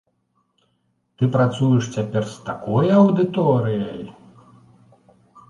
Ты працуеш цяпер з такой аўдыторыяй!